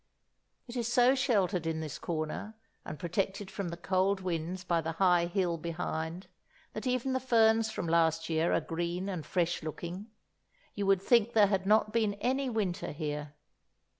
It is so sheltered in this corner, and protected from the cold winds by the high hill behind, that even the ferns from last year are green and fresh looking, you would think there had not been any winter here.